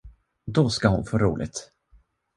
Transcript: Då skall hon få roligt!